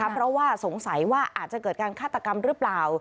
เพราะว่าสงสัยว่าอาจจะเกิดการฆาตกรรมหรือเปล่า